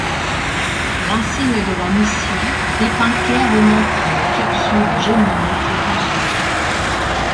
L'insigne de la mission dépeint clairement une capsule Gemini flottant sur l'eau.